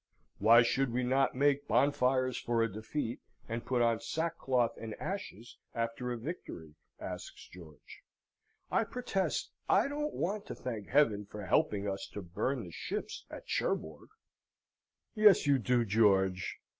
"Why should we not make bonfires for a defeat, and put on sackcloth and ashes after a victory?" asks George. "I protest I don't want to thank Heaven for helping us to burn the ships at Cherbourg." "Yes you do, George!